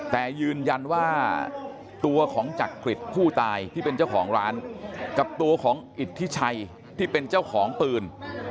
แต่ยืนยันว่าตัวของจักริตผู้ตายที่เป็นเจ้าของร้านกับตัวของอิทธิชัยที่เป็นเจ้าของปืน